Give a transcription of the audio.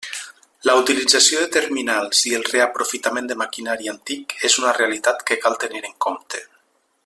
La utilització de terminals i el reaprofitament de maquinari antic és una realitat que cal tenir en compte.